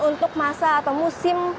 untuk masa atau musim